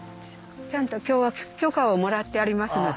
ちゃんと今日は許可をもらってありますので。